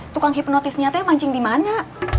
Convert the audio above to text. tukang hipnotis nyatanya mancing di mana